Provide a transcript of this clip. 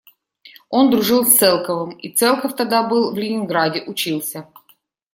Он дружил с Целковым, и Целков тогда был в Ленинграде, учился.